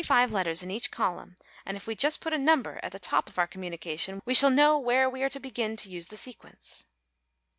F G H I J K Now there are 25 letters in each column, and if we just put a number at the top of our communication, we shall know where we are to begin to use the sequence."